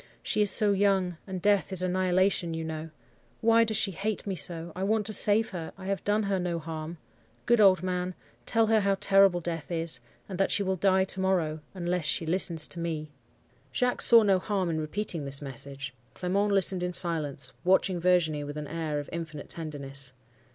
She is so young; and death is annihilation, you know. Why does she hate me so? I want to save her; I have done her no harm. Good old man, tell her how terrible death is; and that she will die to morrow, unless she listens to me.' "Jacques saw no harm in repeating this message. Clement listened in silence, watching Virginie with an air of infinite tenderness.